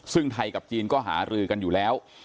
ซึ่งไทยกับจีนก็หารือกันอยู่แล้ว